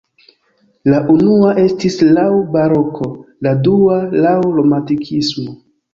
La unua estis laŭ baroko, la dua laŭ romantikismo.